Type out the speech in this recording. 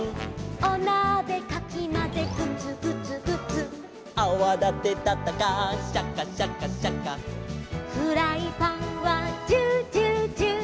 「おなべかきまぜグツグツグツ」「アワだてたったかシャカシャカシャカ」「フライパンはジュージュージュー」